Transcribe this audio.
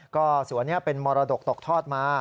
ก็สวนนี้เป็นมรดกตกทอดมา